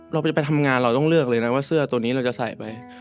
เราจะไปทำงานเราต้องเลือกเลยนะว่าเสื้อตัวนี้เราจะใส่ไป